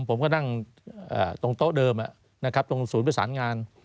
ผมก็นั่งตรงโต๊ะเดิมนะครับตรงศูนย์ประสานงาน